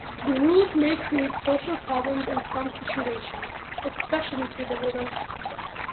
The rules may create social problems in some situations, especially for the widow.